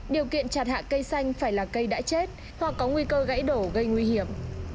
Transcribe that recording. điều kiện chặt hạ cây xanh phải là cây đã chết hoặc có nguy cơ gãy đổ gây nguy hiểm